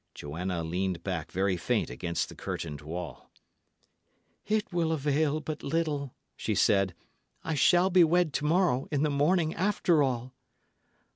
Joanna leaned back very faint against the curtained wall. "It will avail but little," she said. "I shall be wed to morrow, in the morning, after all!"